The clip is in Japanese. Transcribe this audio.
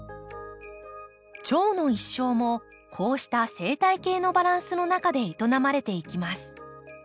チョウの一生もこうした生態系のバランスの中で営まれていきます。